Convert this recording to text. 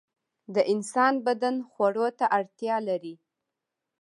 د انسان بدن خوړو ته اړتیا لري.